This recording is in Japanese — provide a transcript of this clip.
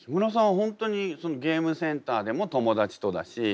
ホントにゲームセンターでも友達とだし